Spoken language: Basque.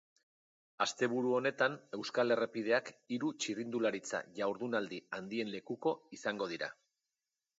Asteburu honetan euskal errepideak hiru txirrindularitza jardunaldi handien lekuko izango dira.